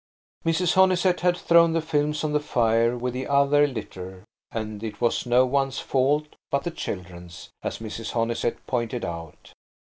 Mrs. Honeysett had thrown the films on the fire with the other "litter," and it was no one's fault but the children's, as Mrs. Honeysett pointed out.